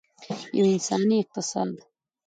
یو انساني اقتصاد.